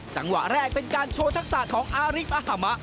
จังหวะแรกเป็นการโชว์ทักษะของอาริกอาฮามะ